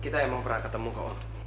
saya memang pernah ketemu kok